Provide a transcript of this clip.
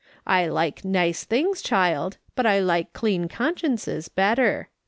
I like nice things, child, but I like clean consciences better.